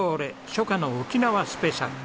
初夏の沖縄スペシャル。